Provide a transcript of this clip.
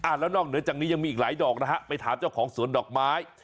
แล้วนอกเหนือจากนี้ยังมีอีกหลายดอกนะฮะไปถามเจ้าของสวนดอกไม้